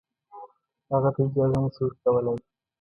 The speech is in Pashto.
هغه ته اجازه نه شي ورکولای.